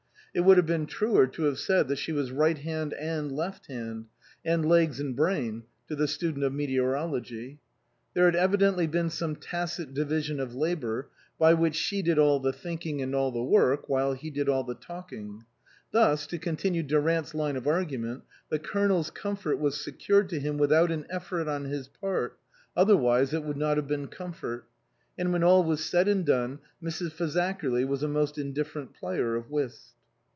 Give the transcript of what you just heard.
It would have been truer to have said that she was right hand and left hand, and legs and brain to the student of meteorology. There had evidently been some tacit division of labour, by which she did all the thinking and all the work while he did the talking. Thus, to continue Durant's line of argument, the Colonel's comfort was secured to him without an effort on his part (otherwise, it would not have been com fort) ; and when all was said and done Mrs. Fazakerly was a most indifferent player of whist.